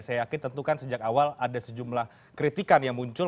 saya yakin tentu kan sejak awal ada sejumlah kritikan yang muncul